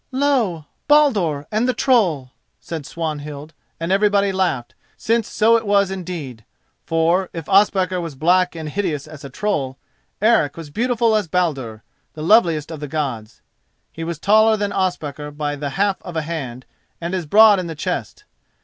"Lo! Baldur and the Troll!" said Swanhild, and everybody laughed, since so it was indeed; for, if Ospakar was black and hideous as a troll, Eric was beautiful as Baldur, the loveliest of the Gods. He was taller than Ospakar by the half of a hand and as broad in the chest.